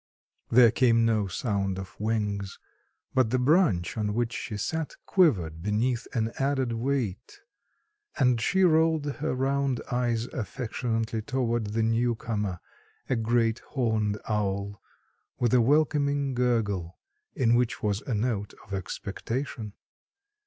There came no sound of wings, but the branch on which she sat quivered beneath an added weight, and she rolled her round eyes affectionately toward the new comer, a great horned owl, with a welcoming gurgle, in which was a note of expectation.